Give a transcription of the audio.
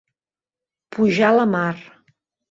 Pujar la mar.